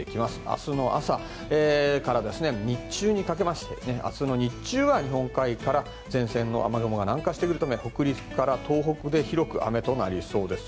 明日の朝から日中にかけまして明日の日中は日本海から前線の雨雲が南下してくるため北陸から東北で広く雨となりそうです。